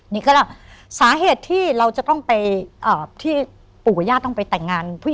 นี่ก็เล่าสาเหตุที่เราจะต้องไปที่ปู่กับญาติต้องไปแต่งงานผู้หญิง